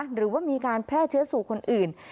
หรือว่ามีการแพร่เชื้อสู่คนอื่น